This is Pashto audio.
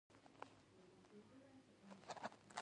معاینه کیږي چې مختلف رنګونه اختیاروي.